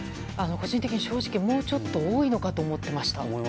個人的に正直もうちょっと多いのかと思ってました。